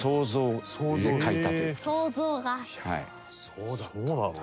そうだったんだ。